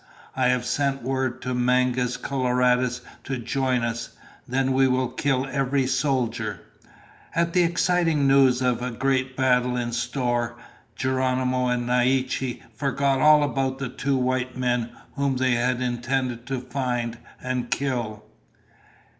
I have sent word to Mangus Coloradus to join us. Then we will kill every soldier!" At the exciting news of a great battle in store, Geronimo and Naiche forgot all about the two white men whom they had intended to find and kill.